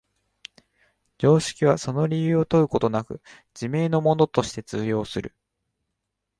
常識はその理由を問うことなく、自明のものとして通用する。